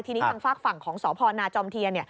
ทีนี้ทางฝากฝั่งของสพนาจอมเทียน